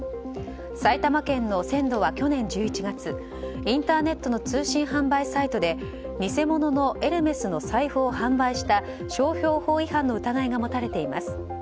埼玉県のｓｅｎｄｏは去年１１月インターネットの通信販売サイトで偽物のエルメスの財布を販売した商標法違反の疑いが持たれています。